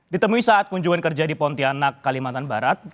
ditemui saat kunjungan kerja di pontianak kalimantan barat